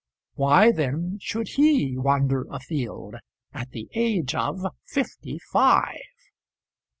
Why then should he wander afield at the age of fifty five?